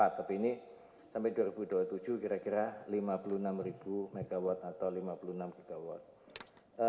tapi ini sampai dua ribu dua puluh tujuh kira kira lima puluh enam ribu megawatt atau lima puluh enam gigawatt